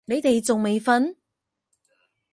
你哋仲未瞓？